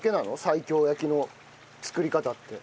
西京焼きの作り方って。